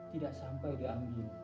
tidak sampai diambil